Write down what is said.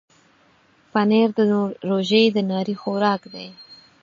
پنېر د روژې د ناري خوراک دی.